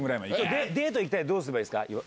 デートどうすればいいですか？